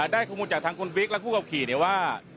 ได้ข้อมูลจากทางคุณบิ๊กและผู้ขับขี่ว่า